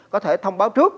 có thể thông báo trước